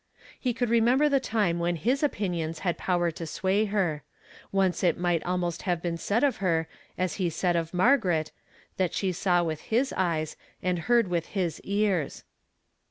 He could remember the time when his opinions had power to sway her. Once it might almost ha\e been said of her as he had said of Margaret, that she saw Avith his ey(\^ and heard with his ears.